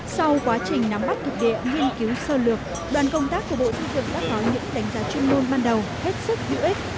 sau quá trình nắm bắt thực địa nghiên cứu sơ lược đoàn công tác của bộ thư thượng đã có những đánh giá chuyên môn ban đầu hết sức hữu ích